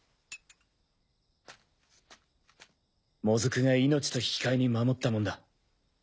モズクが命と引き換えに守ったもんだ。